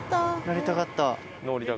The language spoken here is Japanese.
乗りたかった。